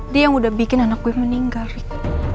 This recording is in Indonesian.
dia yang udah bikin anak gue meninggal gitu